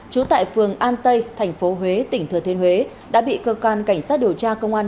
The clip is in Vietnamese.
trú tại phường an tây tp huế tỉnh thừa thiên huế đã bị cơ quan cảnh sát điều tra công an